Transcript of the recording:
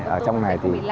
ở trong này thì